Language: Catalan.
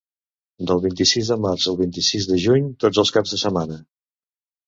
Del vint-i-sis de març al vint-i-sis de juny: tots els caps de setmana.